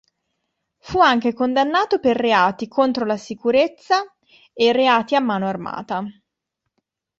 Fu anche condannato per reati contro la sicurezza e reati a mano armata.